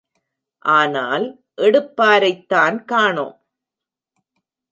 ஆனால், எடுப்பாரைத்தான் காணோம்.